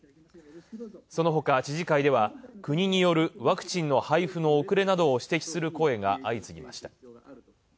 そのほか知事会では国によるワクチンの配布の遅れなどを指摘する声が相次ぎました。